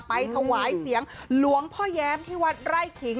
ถวายเสียงหลวงพ่อแย้มที่วัดไร่ขิง